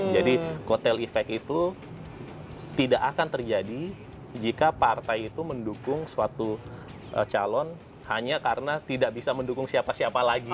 jadi go tail effect itu tidak akan terjadi jika partai itu mendukung suatu calon hanya karena tidak bisa mendukung siapa siapa lagi